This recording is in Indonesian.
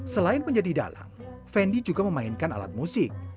selain menjadi dalang fendi juga memainkan alat musik